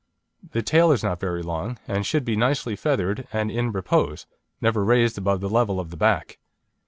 The tail is not very long, and should be nicely feathered, and in repose never raised above the level of the back.